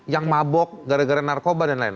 yang mabok gara gara narkoba dan lain